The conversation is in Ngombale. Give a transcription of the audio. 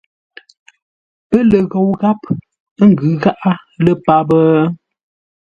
Pə́ lə ghou gháp, ə́ ngʉ̌ gháʼá lə́ páp?